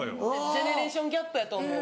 ジェネレーションギャップやと思う。